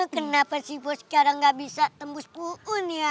kenapa si bos sekarang nggak bisa tembus pu'un ya